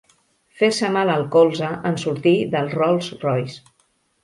Fer-se mal al colze en sortir del Rolls Royce.